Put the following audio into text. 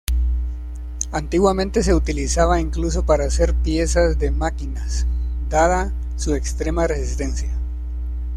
Antiguamente se la utilizaba incluso para hacer piezas de máquinas, dada su extrema resistencia.